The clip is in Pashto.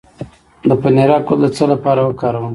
د پنیرک ګل د څه لپاره وکاروم؟